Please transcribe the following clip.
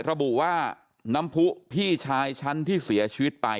ระบุว่าน้ำผู้พี่ชายฉันที่เสียชีวิตไป